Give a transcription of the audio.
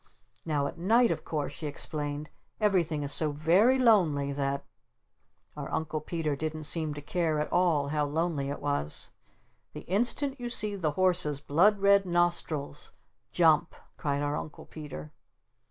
"Now at night, of course," she explained, "everything is so very lonely that " Our Uncle Peter didn't seem to care at all how lonely it was. "The instant you see the horses's blood red nostrils, JUMP!" cried our Uncle Peter.